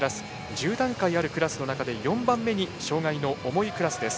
１０段階あるクラスの中で４番目に障がいの重いクラスです。